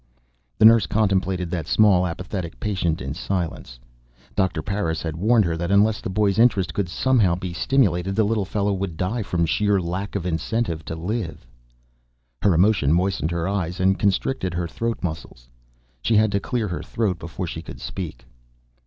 The nurse contemplated that small, apathetic patient in silence. Doctor Parris had warned her that unless the boy's interest could somehow be stimulated, the little fellow would die from sheer lack of incentive to live. Her emotion moistened her eyes and constricted her throat muscles. She had to clear her throat before she could speak.